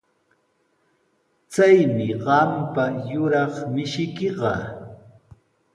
Chaymi qampa yuraq mishiykiqa.